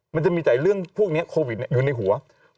มันจะมีแต่เรื่องพวกนี้โควิดอยู่ในหัว